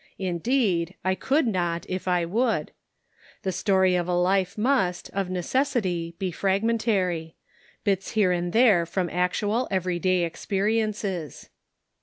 Indeed, I could not if I would. The story of a life must, of necessity, be fragmentary ; bits here and there from actual every day experi ences.